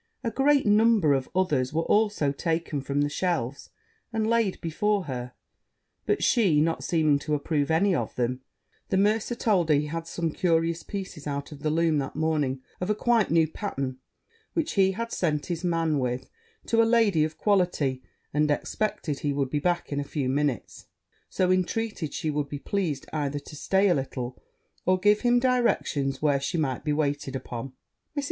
A great number of others were also taken from the shelves, and laid before her; but she not seeming to approve any of them, the mercer told her he had some curious pieces out of the loom that morning of a quite new pattern, which he had sent his man with to a lady of quality, and expected he would be back in a few minutes, so intreated she would be pleased either to stay a little, or give him directions where she might be waited upon. Mrs.